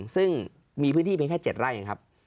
ซึ่งมีพื้นที่เพียงแค่๗ไร่นะครับ